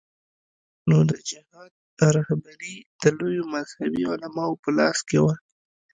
نو د جهاد رهبري د لویو مذهبي علماوو په لاس کې وه.